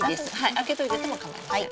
開けといててもかまいません。